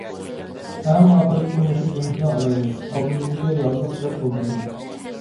ئەڭ ئاخىرىدىكى مۇشۇ جۈملىنىلا ئالايلى: ئالدىمىزدىكى رېئاللىق دەپ بولمايدۇ.